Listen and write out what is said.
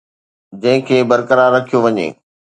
جنهن کي برقرار رکيو وڃي